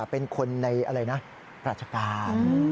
เป็นคนในอะไรนะราชการ